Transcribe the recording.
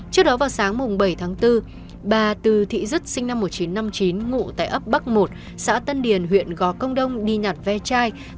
trước đó vào sáng bảy tháng bốn bà từ thị dứt sinh năm một nghìn chín trăm năm mươi chín ngụ tại ấp bắc một xã tân điền huyện gò công đông đi nhặt ve chai